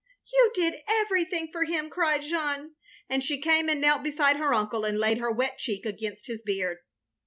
"You did everything for him," cried Jeanne, and she came and knelt beside her uncle, and laid her wet cheek against his beard.